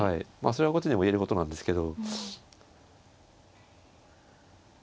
それは後手にも言えることなんですけど。